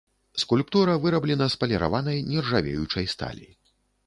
Скульптура выраблена з паліраванай нержавеючай сталі.